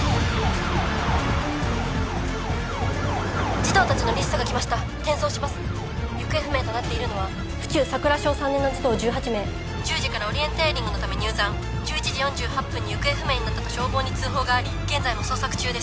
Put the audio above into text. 児童達のリストが来ました転送します行方不明となっているのは府中桜小３年の児童１８名１０時からオリエンテーリングのため入山１１時４８分に行方不明になったと消防に通報があり現在も捜索中です